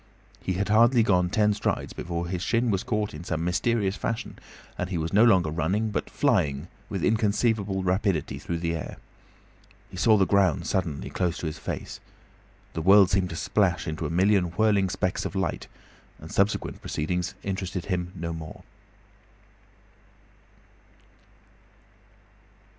He had hardly gone ten strides before his shin was caught in some mysterious fashion, and he was no longer running, but flying with inconceivable rapidity through the air. He saw the ground suddenly close to his face. The world seemed to splash into a million whirling specks of light, and subsequent proceedings interested him no more.